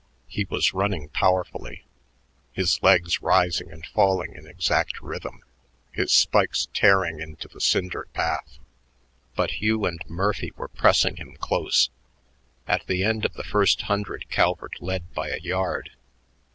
He was running powerfully, his legs rising and falling in exact rhythm, his spikes tearing into the cinder path. But Hugh and Murphy were pressing him close. At the end of the first hundred Calvert led by a yard.